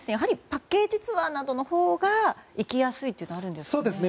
パックツアーなどのほうが行きやすいというのはあるんですか？